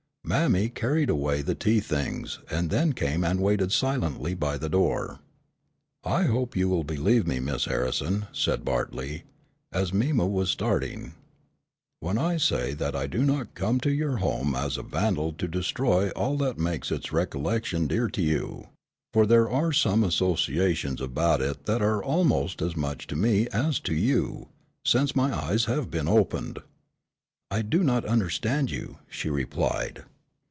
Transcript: Mammy carried away the tea things, and then came and waited silently by the door. "I hope you will believe me, Miss Harrison," said Bartley, as Mima was starting, "when I say that I do not come to your home as a vandal to destroy all that makes its recollection dear to you; for there are some associations about it that are almost as much to me as to you, since my eyes have been opened." "I do not understand you," she replied.